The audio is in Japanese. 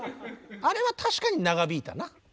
あれは確かに長引いたな。